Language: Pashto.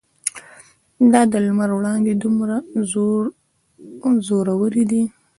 دا د لمر وړانګې دومره زورورې دي.